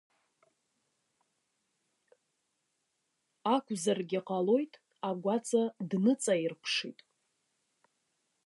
Акәзаргьы ҟалоит, агәаҵа дныҵаирԥшит.